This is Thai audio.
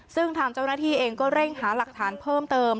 ซึ่งทางเจ้าหน้าที่เองก็เร่งหาหลักฐานเพิ่มเติม